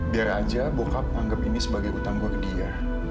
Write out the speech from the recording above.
biar aja bokap anggap ini sebagai utang buat dia